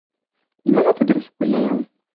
لماذا تدرس كل يوم؟